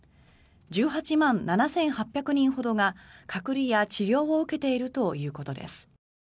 １８万７８００人ほどが隔離や治療を受けているということです。